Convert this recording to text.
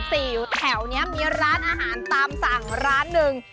สี่แถวนี้มีร้านอาหารตามสั่งร้านหนึ่ง